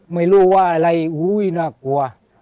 ไม่รู้ว่าอะไรอุ้ยน่ากลัว